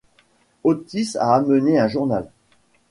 Otis a amené un journal.